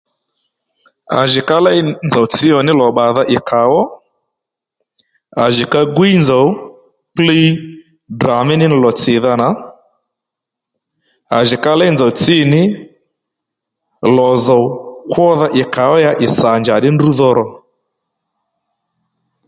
À jì ka léy nzòw tsǐ lò bbàdha ì kàó, à jì ka gwíy nzòw kplíy Ddrà mí lò tsìdha nà, à jì ka léy nzòw tsǐ ní lò zòw kwódha ì kàó ya ì sà njàddí ndrǔ dho ro